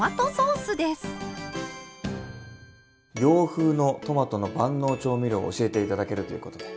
洋風のトマトの万能調味料を教えて頂けるということで。